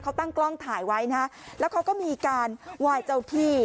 เขาตั้งกล้องถ่ายไว้นะฮะแล้วเขาก็มีการไหว้เจ้าที่